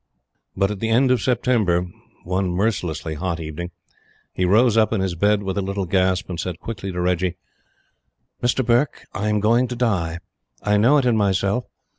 But at the end of September, one mercilessly hot evening, he rose up in his bed with a little gasp, and said quickly to Reggie: "Mr. Burke, I am going to die. I know it in myself.